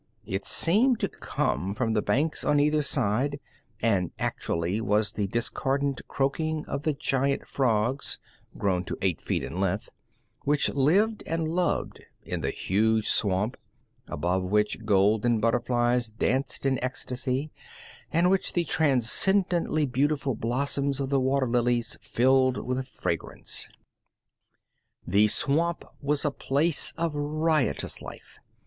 It seemed to come from the banks on either side, and actually was the discordant croaking of the giant frogs, grown to eight feet in length, which lived and loved in the huge swamp, above which golden butterflies danced in ecstasy, and which the transcendently beautiful blossoms of the water lilies filled with fragrance. The swamp was a place of riotous life.